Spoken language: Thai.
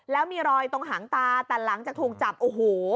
แล้วมีรอยตรงหางตาแต่หลังจากถูกจับโอ้โห